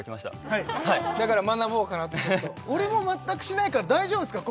はいだから学ぼうかなとホント俺も全くしないから大丈夫すか？